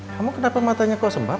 kamu kenapa matanya kok sembab